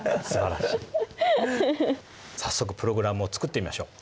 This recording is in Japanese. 早速プログラムを作ってみましょう。